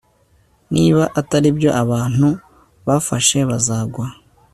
niba atari byo, abantu bafashe bazagwa